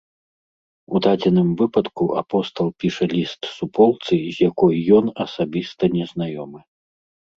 У дадзеным выпадку апостал піша ліст суполцы, з якой ён асабіста незнаёмы.